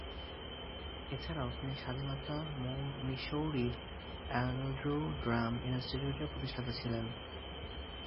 এছাড়াও তিনি স্বাধীনতা মিসৌরির অ্যান্ড্রু ড্রাম ইনস্টিটিউটের প্রতিষ্ঠাতা ছিলেন।